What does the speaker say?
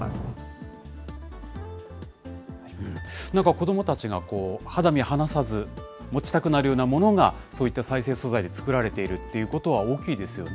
子どもたちが肌身離さず、持ちたくなるようなものが、そういった再生素材で作られているっていうことは大きいですよね。